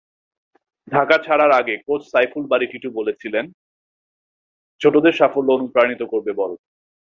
ঢাকা ছাড়ার আগে কোচ সাইফুল বারী টিটু বলেছিলেন, ছোটদের সাফল্য অনুপ্রাণিত করবে বড়দের।